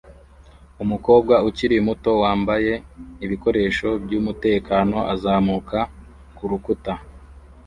Umukobwa ukiri muto wambaye ibikoresho byumutekano azamuka kurukuta